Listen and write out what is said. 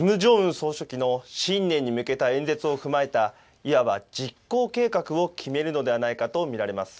総書記の新年に向けた演説を踏まえたいわば実行計画を決めるのではないかと見られます。